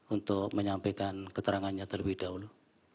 untuk menyampaikan keterangannya terlebih dahulu